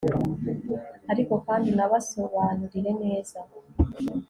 ariko kandi unabasobanurire neza